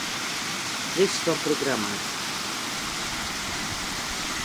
List fan programma.